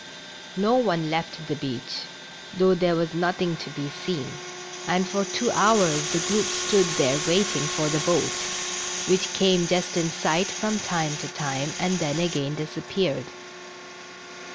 No one left the beach, though there was nothing to be 13 210 THE STRANGE CATCH. seen, and for two hours the group stood there waiting for the boat, which came just in sight from time to time, and then again disappeared.